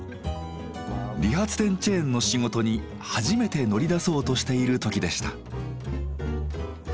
理髪店チェーンの仕事に初めて乗り出そうとしている時でした。